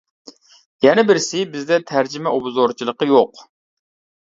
يەنە بىرسى بىزدە تەرجىمە ئوبزورچىلىقى يوق.